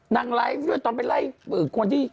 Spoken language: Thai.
นั่งไล่ด้วยตอนไปไล่อื่นกว่าดี